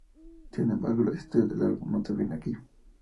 Sin embargo, las historia del álbum no termina aquí.